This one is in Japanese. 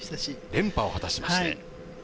連覇を果たしました。